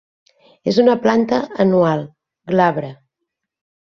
És una planta anual, glabre.